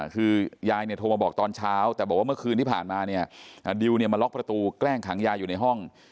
คือยายเนี่ยโทรมาบอกตอนเช้าแต่บอกว่าเมื่อคืนที่ผ่านมาเนี่ยดิวเนี่ยมาล็อกประตูแกล้งขังยายอยู่ในห้อง